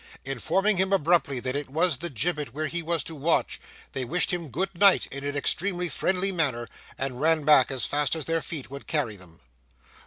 Informing him abruptly that it was the gibbet where he was to watch, they wished him good night in an extremely friendly manner, and ran back as fast as their feet would carry them.